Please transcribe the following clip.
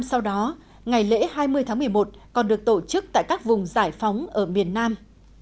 sau đó ngày lễ hai mươi tháng một mươi một còn được tổ chức tại các vùng giải phóng ở miền nam